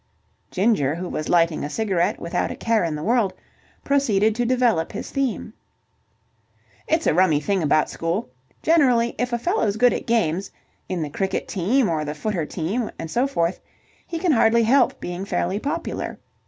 Ginger, who was lighting a cigarette without a care in the world, proceeded to develop his theme. "It's a rummy thing about school. Generally, if a fellow's good at games in the cricket team or the footer team and so forth he can hardly help being fairly popular.